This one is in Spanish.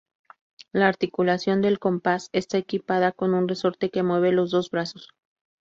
La articulación del compás está equipada con un resorte que mueve los dos brazos.